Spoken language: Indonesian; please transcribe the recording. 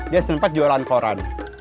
dia sempat jualan koran